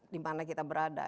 dimana kita berada